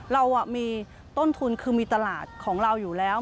เรามีต้นทุนคือมีตลาดของเราอยู่แล้ว